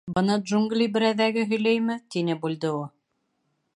Быны джунгли берәҙәге һөйләйме? — тине Бульдео.